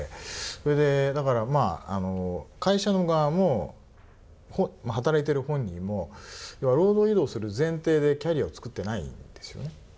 それで会社の側も働いてる本人も労働移動する前提でキャリアを作ってないんですよね。